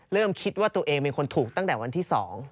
คิดว่าตัวเองเป็นคนถูกตั้งแต่วันที่๒